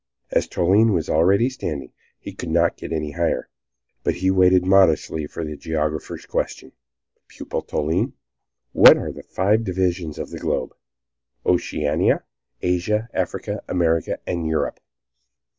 As Toline was already standing, he could not get any higher, but he waited modestly for the geographer's questions. "Pupil Toline, what are the five divisions of the globe?" "Oceanica, Asia, Africa, America, and Europe."